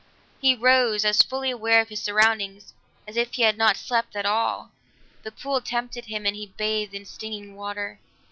He rose as fully aware of his surroundings as if he had not slept at all; the pool tempted him and he bathed in stinging water.